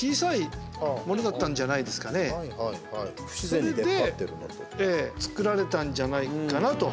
それでつくられたんじゃないかなと。